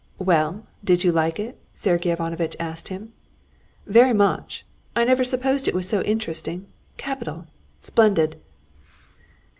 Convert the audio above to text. "Well, did you like it?" Sergey Ivanovitch asked him. "Very much. I never supposed it was so interesting! Capital! Splendid!"